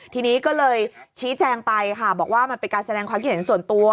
ทีนี้ก็เลยชี้แจงไปค่ะบอกว่ามันเป็นการแสดงความคิดเห็นส่วนตัว